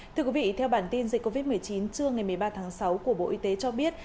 thưa quý vị theo bản tin dịch covid một mươi chín trưa ngày một mươi ba tháng sáu của bộ y tế cho biết